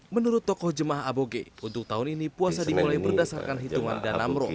menurut tokoh jemaah aboge untuk tahun ini puasa dimulai berdasarkan hitungan dan amroh